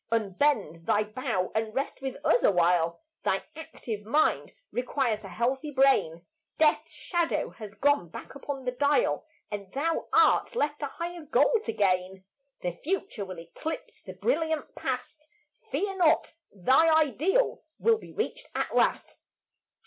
Unbend thy bow and rest with us awhile; Thy active mind requires a healthy brain; Death's shadow has gone back upon the dial, And thou art left a higher goal to gain; The future will eclipse the brilliant past; Fear not; thy ideal will be reached at last.